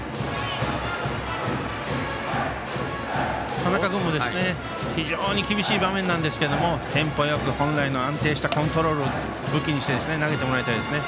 田中君も、非常に厳しい場面なんですけどテンポよく、本来の安定したコントロールを武器にして投げてもらいたいですね。